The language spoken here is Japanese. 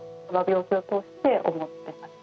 この病気を通して思ってます。